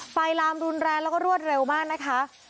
ลามรุนแรงแล้วก็รวดเร็วมากนะคะ